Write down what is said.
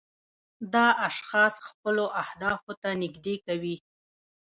دا اشخاص خپلو اهدافو ته نږدې کوي.